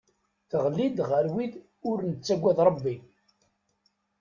Teɣli-d ɣer wid ur nettagad Rebbi.